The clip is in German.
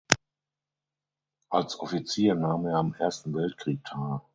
Als Offizier nahm er am Ersten Weltkrieg teil.